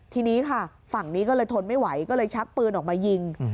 ทีนี้ค่ะฝั่งนี้ก็เลยทนไม่ไหวก็เลยชักปืนออกมายิง